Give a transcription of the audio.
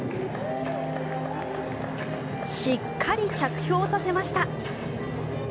しっかり着氷させました。